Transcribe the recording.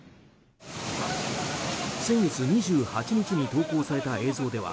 先月２８日に投稿された映像では